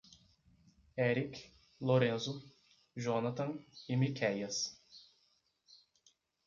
Erick, Lorenzo, Jonathan e Miquéias